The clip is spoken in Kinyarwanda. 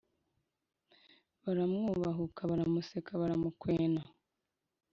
baramwubahuka baramuseka baramukwena,